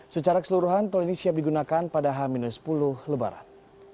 secara keseluruhan tol ini siap digunakan pada h sepuluh lebaran